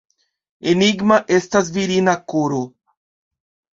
Enigma estas virina koro!